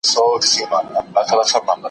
ده د قحطۍ مخنيوی کاوه.